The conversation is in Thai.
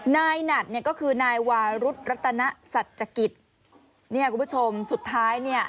นายหนัดเนี่ยก็คือนายวารุธรัตนสัจกิจเนี่ยคุณผู้ชมสุดท้ายเนี่ย